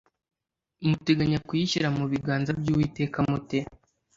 muteganya kuyishyira mu biganza by’Uwiteka mute